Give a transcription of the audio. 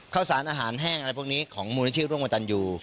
เข้าสารอาหารแห้งอะไรพวกนี้ของมูลนี้ที่ร่วมประตัญอยู่